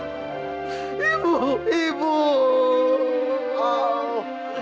ibu ibu ibu ibu